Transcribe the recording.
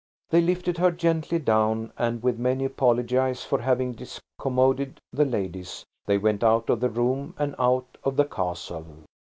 They lifted her gently down, and with many apologies for having discommoded the ladies, they went out of the room and out of the castle.